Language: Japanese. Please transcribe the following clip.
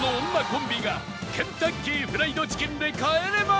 コンビがケンタッキーフライドチキンで帰れま １０！